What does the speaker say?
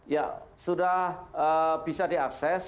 ya sudah bisa diakses